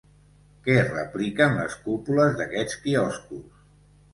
Què repliquen les cúpules d'aquests quioscos?